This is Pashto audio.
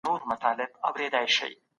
دا ډول وېشنه لا تر اوسه بشپړه نده.